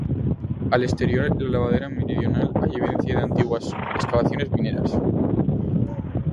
Al exterior, en la ladera meridional, hay evidencias de antiguas excavaciones mineras.